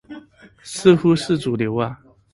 似乎是主流啊